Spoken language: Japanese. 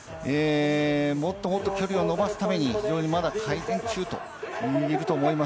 もっともっと距離を伸ばすために、まだ改善中だと思います。